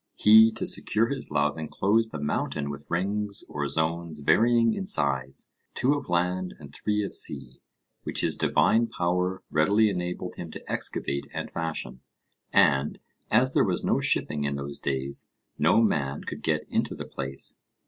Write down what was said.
He to secure his love enclosed the mountain with rings or zones varying in size, two of land and three of sea, which his divine power readily enabled him to excavate and fashion, and, as there was no shipping in those days, no man could get into the place.